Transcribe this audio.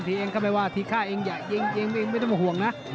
ทีเองก็ไม่ว่าทีข้าเองเองไม่ต้องห่วงนะ